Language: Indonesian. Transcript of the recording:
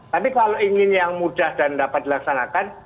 tapi kalau ingin yang mudah dan dapat dilaksanakan